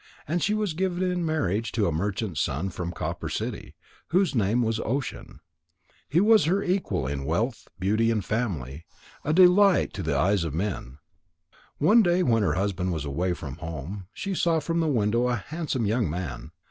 And she was given in marriage to a merchant's son from Copper City, whose name was Ocean. He was her equal in wealth, beauty, and family; a delight to the eyes of men. One day when her husband was away from home, she saw from the window a handsome young man.